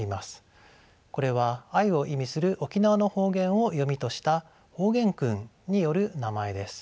これは愛を意味する沖縄の方言を読みとした方言訓による名前です。